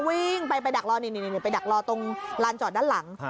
วิ่งไปดักรอตรงลานจอดด้านหลัง